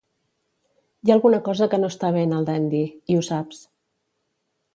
Hi ha alguna cosa que no està bé en el Dandy i ho saps.